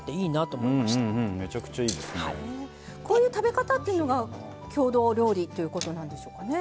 こういう食べ方っていうのが郷土料理ということなんでしょうかね。